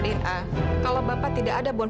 dna kalau bapak tidak ada bon